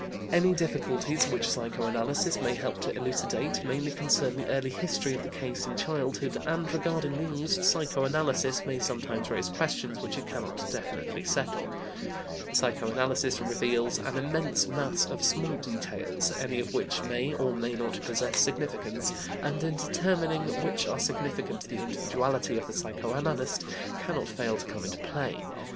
Any difficulties which psychoanalysis may help to elucidate mainly concern the early history of the case in childhood, and, regarding these, psychoanalysis may sometimes raise questions which it cannot definitely settle. Psycho analysis reveals an immense mass of small details, any of which may or may not possess significance, and in determining which are significant the individuality of the psychoanalyst cannot fail to come into play.